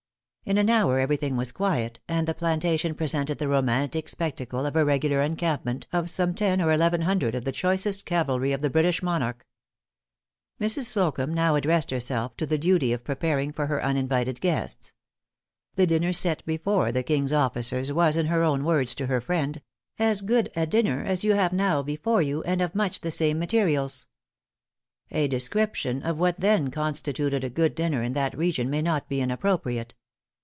In an hour every thing was quiet, and the plantation presented the romantic spectacle of a regular encampment of some ten or eleven hundred of the choicest cavalry of the British monarch. Mrs. Slocumb now addressed herself to the duty of preparing for her uninvited guests. The dinner set before the king's officers was, in her own words to her friend, "as good a dinner as you have now before you, and of much the same materials." A description of what then constituted a good dinner in that region may not be inappropriate.